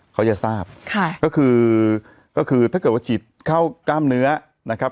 เขาจะทราบค่ะก็คือก็คือถ้าเกิดว่าฉีดเข้ากล้ามเนื้อนะครับ